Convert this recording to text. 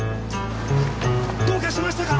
どうかしましたか！？